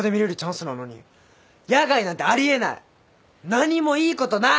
何もいいことない！